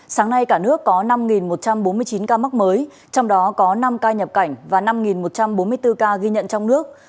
sáng nay cả nước có năm một trăm bốn mươi chín ca mắc mới trong đó có năm ca nhập cảnh và năm một trăm bốn mươi bốn ca ghi nhận trong nước